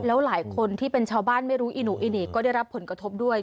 แล้วหลายคนที่เป็นชาวบ้านไม่รู้อีหนูอีเน่ก็ได้รับผลกระทบด้วย